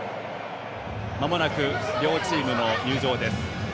まもなく両チームの入場です。